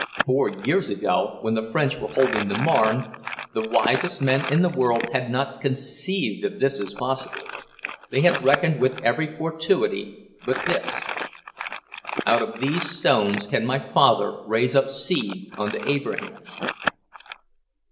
Four years ago, when the French were holding the Marne, the wisest men in the world had not conceived of this as possible; they had reckoned with every fortuity but this. "Out of these stones can my Father raise up seed unto Abraham."